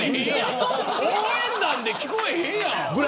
応援団で聞こえへんやん。